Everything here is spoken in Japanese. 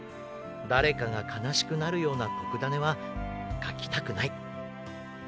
だれかがかなしくなるようなとくダネはかきたくない。